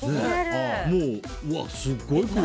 もう、すごいこれ。